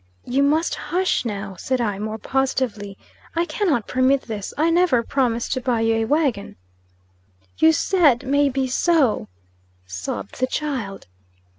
"You must hush, now," said I, more positively. "I cannot permit this. I never promised to buy you a wagon." "You said may be so," sobbed the child.